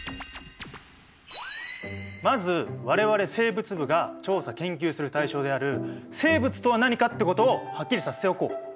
まず我々生物部が調査・研究する対象である生物とは何かってことをはっきりさせておこう。